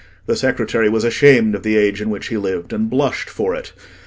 The secretary was ashamed of the age in which he lived, and blushed for it.